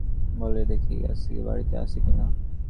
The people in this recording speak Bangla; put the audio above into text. বললে, দেখে আসি গে সে বাড়িতে আছে কিনা।